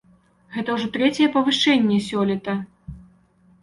Гэта ўжо трэцяе павышэнне сёлета.